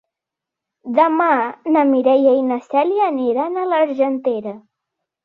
Demà na Mireia i na Cèlia aniran a l'Argentera.